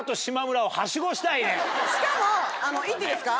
しかも言っていいですか？